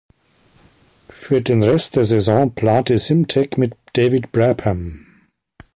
Für den Rest der Saison plante Simtek mit David Brabham.